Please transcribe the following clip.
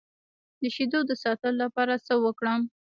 د شیدو د ساتلو لپاره څه وکړم؟